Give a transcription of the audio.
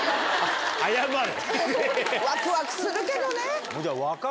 ワクワクするけどね。